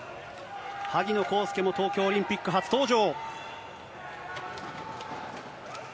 萩野公介も東京オリンピック初登場。